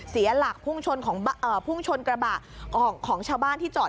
เสียหลักพุ่งชนกระบะของชาวบ้านที่จอด